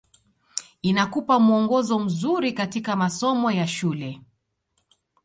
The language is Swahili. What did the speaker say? inakupa muongozo mzuri katika masomo ya shule